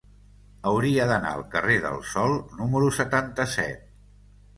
Hauria d'anar al carrer del Sol número setanta-set.